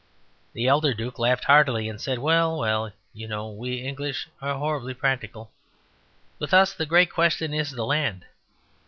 The elder Duke laughed heartily, and said: "Well, well, you know; we English are horribly practical. With us the great question is the land.